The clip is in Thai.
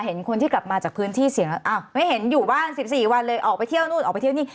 ออกไปเที่ยวนู้นออกไปเที่ยวนี้